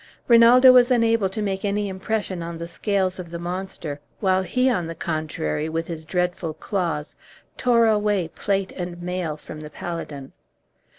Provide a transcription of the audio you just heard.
Rinaldo was unable to make any impression on the scales of the monster, while he, on the contrary, with his dreadful claws, tore away plate and mail from the paladin.